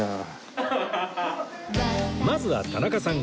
まずは田中さん